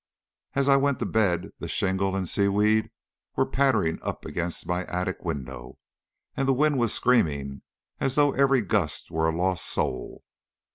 As I went to bed the shingle and seaweed were pattering up against my attic window, and the wind was screaming as though every gust were a lost soul.